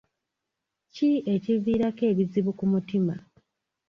Ki ekiviirako ebizibu ku mutima?